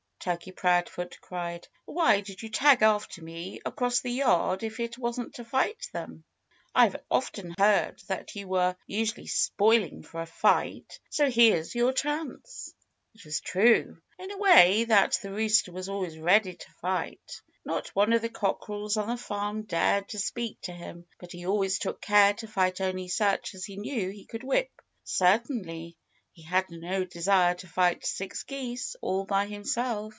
Turkey Proudfoot cried. "Why did you tag after me across the yard if it wasn't to fight them? I've often heard that you were usually spoiling for a fight. So here's your chance!" It was true, in a way, that the rooster was always ready to fight. Not one of the cockerels on the farm dared to speak to him. But he always took care to fight only such as he knew he could whip. Certainly he had no desire to fight six geese all by himself.